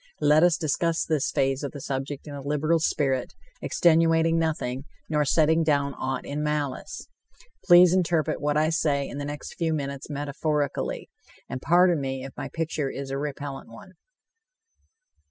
Let us discuss this phase of the subject in a liberal spirit, extenuating nothing, nor setting down aught in malice. Please interpret what I say in the next few minutes metaphorically, and pardon me if my picture is a repellant one.